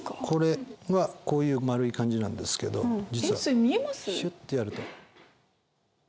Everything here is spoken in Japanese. これはこういう丸い感じなんですけど実はシュってやると。